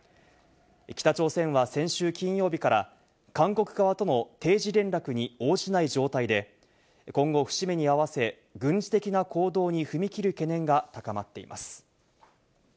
北朝鮮は先週金曜日から韓国側との定時連絡に応じない状態で、今後、節目に合わせ、軍事的な行動に踏み切る懸念が高まっています。